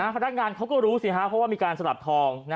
พนักงานเขาก็รู้สิฮะเพราะว่ามีการสลับทอง